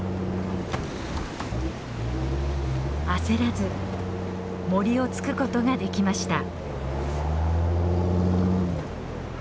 焦らずモリを突くことができました。